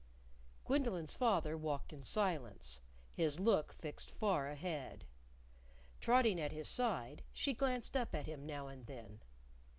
Gwendolyn's father walked in silence, his look fixed far ahead. Trotting at his side, she glanced up at him now and then.